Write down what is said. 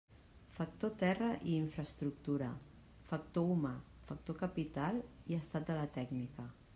Factor terra i infraestructura, factor humà, factor capital i estat de la tècnica.